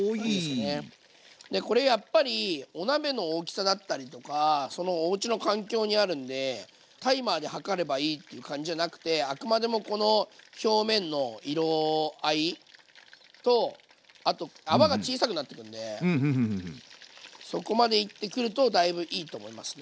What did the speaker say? これやっぱりお鍋の大きさだったりとかそのおうちの環境にあるんでタイマーで計ればいいっていう感じじゃなくてあくまでもこの表面の色合いとあと泡が小さくなってくるのでそこまでいってくるとだいぶいいと思いますね。